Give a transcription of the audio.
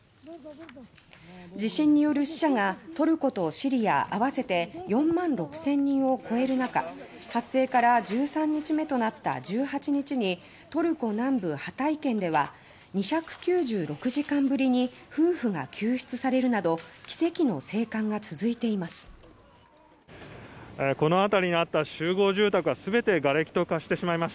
地震による死者がトルコとシリア合わせて４万６０００人を超える中発生から１３日目となった１８日にトルコ南部ハタイ県では２９６時間ぶりに夫婦が救出されるなど奇跡の生還が続いています。